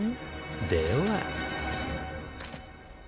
では。